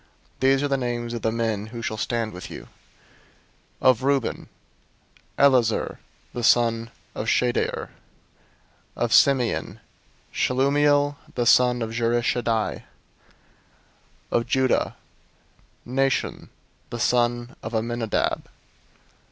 001:005 These are the names of the men who shall stand with you: Of Reuben: Elizur the son of Shedeur. 001:006 Of Simeon: Shelumiel the son of Zurishaddai. 001:007 Of Judah: Nahshon the son of Amminadab.